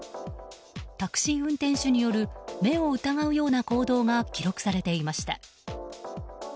タクシー運転手による目を疑うような行動が記録されていました。